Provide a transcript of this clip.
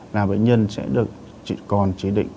là bệnh nhân sẽ được còn chế định